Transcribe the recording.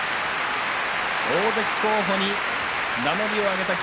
大関候補に名乗りを上げた霧